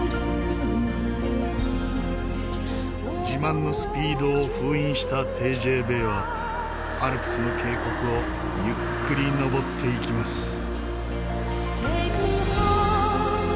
自慢のスピードを封印したＴＧＶはアルプスの渓谷をゆっくり登っていきます。